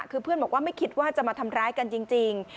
คือเพื่อนบอกว่าไม่คิดว่าจะมาทำร้ายกันจริง